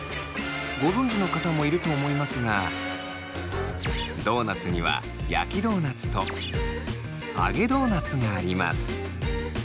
ご存じの方もいると思いますがドーナツには焼きドーナツと揚げドーナツがあります。